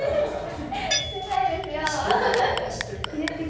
してないですよ。